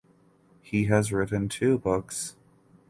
He has written two books.